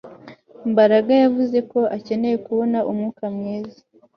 Mbaraga yavuze ko akeneye kubona umwuka mwiza